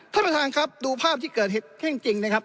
ท่านประทานครับดูภาพที่เกิดให้หนึ่งจริงเลยครับ